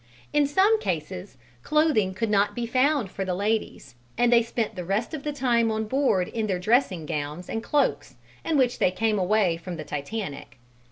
In some cases, clothing could not be found for the ladies and they spent the rest of the time on board in their dressing gowns and cloaks in which they came away from the Titanic.